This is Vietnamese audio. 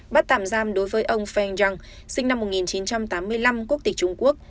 bắt tạm giam đối với ông feng yong sinh năm một nghìn chín trăm tám mươi năm quốc tịch trung quốc